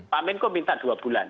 pak menko minta dua bulan